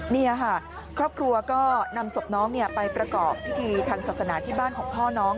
นี่ค่ะครอบครัวก็นำศพน้องไปประกอบพิธีทางศาสนาที่บ้านของพ่อน้อง